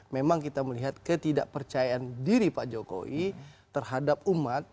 memang kita melihat ketidakpercayaan diri pak jokowi terhadap umat